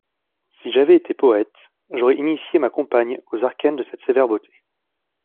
Si j'avais été poète, j'aurais initié ma compagne aux arcanes de cette sévère beauté.